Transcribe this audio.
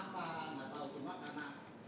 enggak tahu cuma karena perintahnya itu ambisisi ketiga